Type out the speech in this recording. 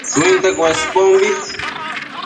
Shuinte Cuespombi